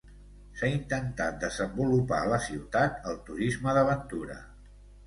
S'ha intentat desenvolupar a la ciutat el turisme d'aventura.